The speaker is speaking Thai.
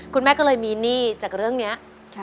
คุณแม่ก็เลยมีหนี้จากเรื่องนี้